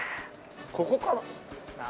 ここかな？